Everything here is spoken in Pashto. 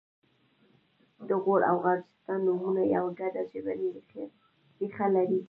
د غور او غرجستان نومونه یوه ګډه ژبنۍ ریښه لري